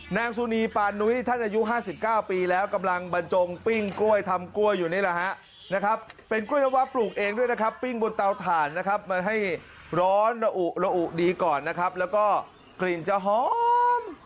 นางสุนีปานุ้ยท่านอายุ๕๙ปีแล้วกำลังบรรจงปิ้งกล้วยทำกล้วยอยู่นี่แหละฮะนะครับเป็นกล้วยน้ำวะปลูกเองด้วยนะครับปิ้งบนเตาถ่านนะครับมันให้ร้อนระอุระอุดีก่อนนะครับแล้วก็กลิ่นจะหอม